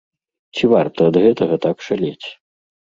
Ці варта ад гэтага так шалець?